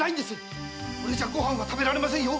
これじゃご飯が食べられませんよ！